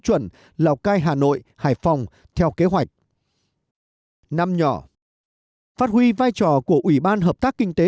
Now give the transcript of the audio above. chuẩn lào cai hà nội hải phòng theo kế hoạch năm nhỏ phát huy vai trò của ủy ban hợp tác kinh tế